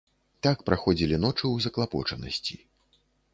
Так праходзілі ночы ў заклапочанасці.